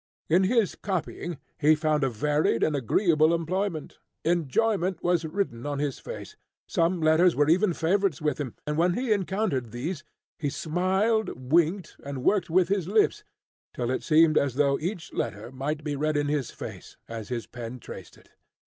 In his copying, he found a varied and agreeable employment. Enjoyment was written on his face; some letters were even favourites with him; and when he encountered these, he smiled, winked, and worked with his lips, till it seemed as though each letter might be read in his face, as his pen traced it.